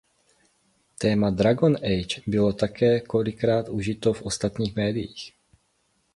Téma "Dragon Age" bylo také několikrát užito v ostatních médiích.